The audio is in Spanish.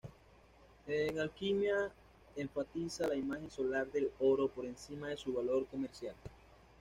En alquimia, enfatiza la imagen solar del oro por encima de su valor comercial.